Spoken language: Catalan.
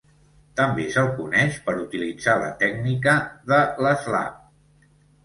També se'l coneix per utilitzar la tècnica de l'slap.